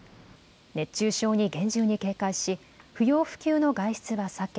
熱中症に厳重に警戒し不要不急の外出は避け